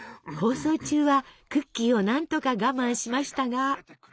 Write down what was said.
放送中はクッキーを何とか我慢しましたが。